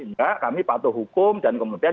enggak kami patuh hukum dan kemudian